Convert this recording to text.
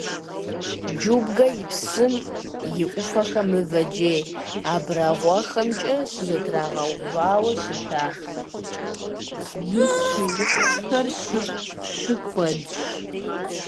Джубга псым и Ӏуфэхэм мывэ джей абрагъуэхэмкӀэ щызэтрагъэувауэ щыта испы унэхэр щыкуэдщ.